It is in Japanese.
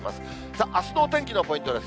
さあ、あすのお天気のポイントです。